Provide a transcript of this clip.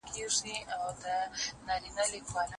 نور دي خواته نه را ګوري چي قلم قلم یې کړمه